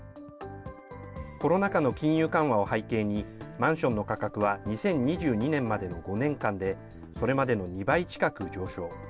コロナ禍の金融緩和を背景に、マンションの価格は２０２２年までの５年間で、それまでの２倍近く上昇。